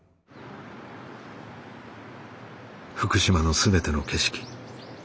福島の全ての景色